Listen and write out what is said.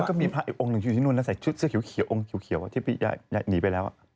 ก็มีพระอีกองค์หนึ่งอยู่ที่นู่นใส่ชุดเสื้อเขียวองค์เขียวที่หนีไปแล้ว